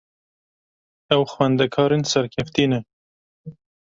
Ew xwendekarên serkeftî ne.